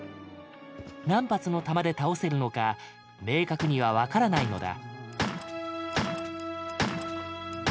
何発の弾で倒せるのか明確には分からないのだ。